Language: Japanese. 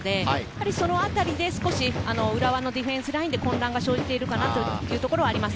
そのあたりで少し、浦和のディフェンスラインで混乱が生じているのかな？というところがあります。